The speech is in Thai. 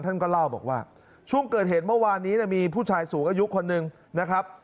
ท่านก็เล่าบอกว่าช่วงเกิดเหตุเมื่อวานนี้มีผู้ชายสูงอายุคนหนึ่งนะครับ